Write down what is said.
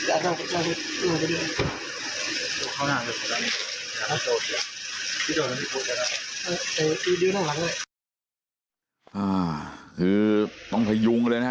อ่าคือต้องพยุงเลยนะฮะ